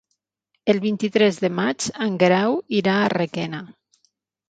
El vint-i-tres de maig en Guerau irà a Requena.